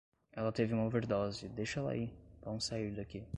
Ela teve uma overdose, deixa ela aí, vamos sair daqui